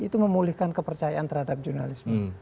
itu memulihkan kepercayaan terhadap jurnalisme